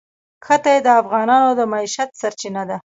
ښتې د افغانانو د معیشت سرچینه ده.